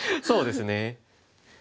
そうですね。